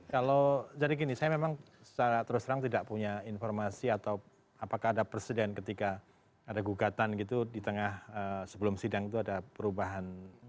kalau jadi gini saya memang secara terus terang tidak punya informasi atau apakah ada presiden ketika ada gugatan gitu di tengah sebelum sidang itu ada perubahan